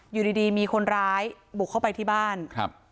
อยู่ดีดีมีคนร้ายบุกเข้าไปที่บ้านครับ